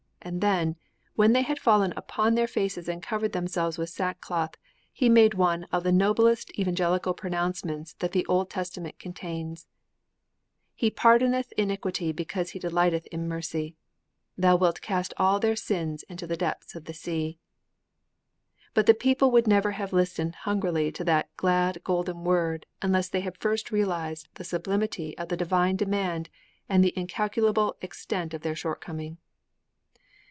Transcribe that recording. And then, when they had fallen upon their faces and covered themselves with sackcloth, he made one of the noblest evangelical pronouncements that the Old Testament contains: 'He pardoneth iniquity because He delighteth in mercy: Thou wilt cast all their sins into the depths of the sea.' But the people would never have listened hungrily to that glad golden word unless they had first realized the sublimity of the divine demand and the incalculable extent of their shortcoming.